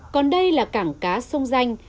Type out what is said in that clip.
còn đây là cảng cá sông danh